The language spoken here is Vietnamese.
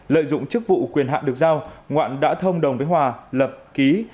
lợi dụng chức vụ quyền hạn được giao ngoạn đã thông đồng với hòa lập ký